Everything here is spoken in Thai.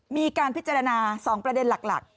มีการพิจารณา๒ประเด็นหลัก